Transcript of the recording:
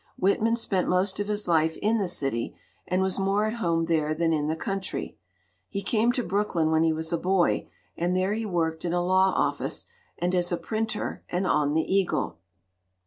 Whitman spent most of his life in the city, and was more at home there than in the country. He came to Brooklyn when he was a boy, and there he worked in a law office, and as a printer and on the Eagle.